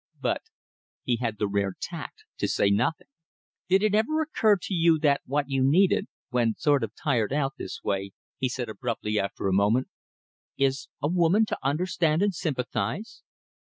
But he had the rare tact to say nothing. "Did it ever occur to you that what you needed, when sort of tired out this way," he said abruptly after a moment, "is a woman to understand and sympathize?